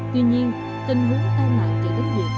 tuy nhiên tình huống tai nạn chỉ đến việc